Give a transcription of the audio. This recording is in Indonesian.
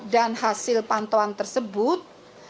dan hasil pantauan tersebut